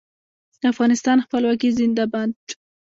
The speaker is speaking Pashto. د افغانستان خپلواکي زنده باد.